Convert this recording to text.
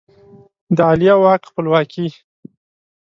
د عالیه واک خپلواکي